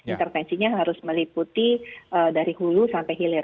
intervensinya harus meliputi dari hulu sampai hilir